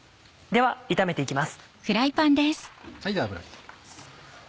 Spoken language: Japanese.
では油引いて行きます。